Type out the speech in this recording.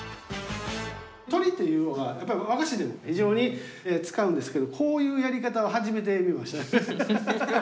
鳥っていうのがやっぱり和菓子でもひじょうに使うんですけどこういうやり方ははじめて見ました。